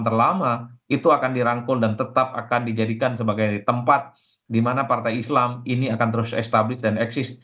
terlama itu akan dirangkul dan tetap akan dijadikan sebagai tempat di mana partai islam ini akan terus establis dan eksis